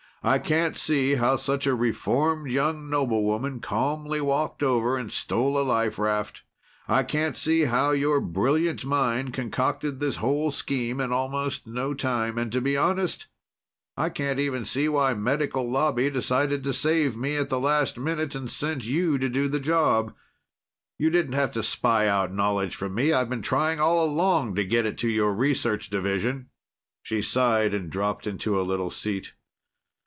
"I can't see how such a reformed young noblewoman calmly walked over and stole a life raft. I can't see how your brilliant mind concocted this whole scheme in almost no time. And to be honest, I can't even see why Medical Lobby decided to save me at the last minute and sent you to do the job. You didn't have to spy out knowledge from me. I've been trying all along to get it to your Research division." She sighed and dropped onto a little seat.